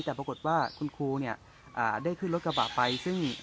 แต่ปรากฏว่าคุณครูเนี่ยได้ขึ้นรถกระบะไปซึ่ง